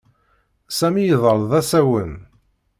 Sami iḍall d asawen.